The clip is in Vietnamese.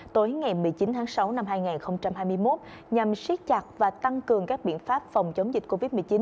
tối ngày một mươi chín tháng sáu năm hai nghìn hai mươi một nhằm siết chặt và tăng cường các biện pháp phòng chống dịch covid một mươi chín